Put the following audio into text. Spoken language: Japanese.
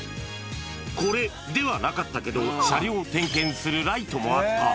これではなかったけど、車両を点検するライトもあった。